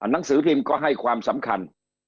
หนังสือพิมพ์ก็ให้ความสำคัญ